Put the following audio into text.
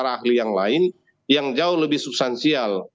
ada banyak penjelasan dari para ahli yang lain yang jauh lebih substansial